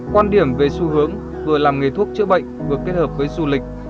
quan điểm về xu hướng vừa làm nghề thuốc chữa bệnh vừa kết hợp với du lịch